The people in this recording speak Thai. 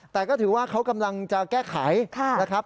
แต่ก็ถือว่าเขากำลังจะแก้ไขนะครับ